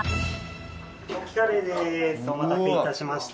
お待たせ致しました。